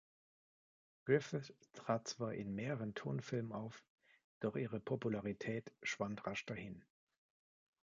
Griffith trat zwar in mehreren Tonfilmen auf, doch ihre Popularität schwand rasch dahin.